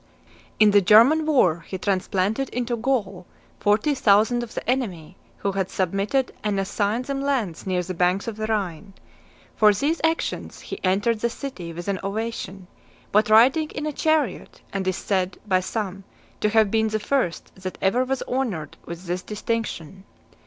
In the German war, he transplanted into Gaul forty thousand of the enemy who had submitted, and assigned them lands near the banks of the Rhine. For these actions, he entered the city with an ovation, but riding in a chariot, and is said by some to have been the first that ever was honoured with this distinction.